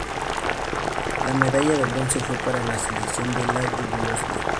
La medalla de bronce fue para la selección de la Yugoslavia.